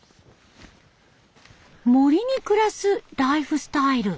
森に暮らすライフスタイル。